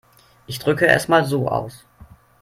Ich drücke es mal so aus.